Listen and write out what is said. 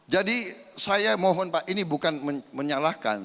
jadi saya mohon pak ini bukan menyalahkan